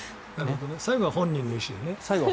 最後は本人の意思で。